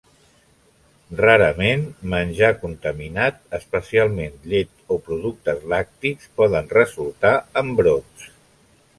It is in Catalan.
Rarament, menjar contaminat, especialment llet o productes lactis, poden resultar en brots.